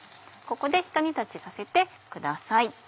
ここでひと煮立ちさせてください。